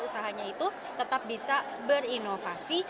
usahanya itu tetap bisa berinovasi